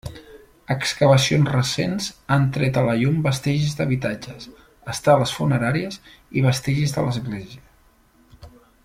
Excavacions recents han tret a la llum vestigis d'habitatges, esteles funeràries i vestigis de l'església.